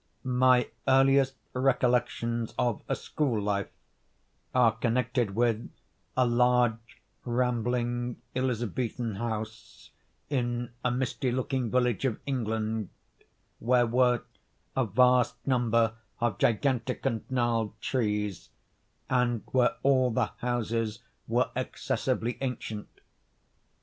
My earliest recollections of a school life, are connected with a large, rambling, Elizabethan house, in a misty looking village of England, where were a vast number of gigantic and gnarled trees, and where all the houses were excessively ancient.